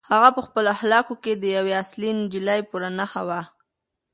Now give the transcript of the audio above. هغه په خپلو اخلاقو کې د یوې اصیلې نجلۍ پوره نښه وه.